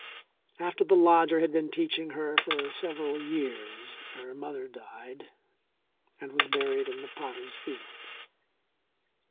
After the lodger had been teaching her for several years her mother died and was buried in the potters' field.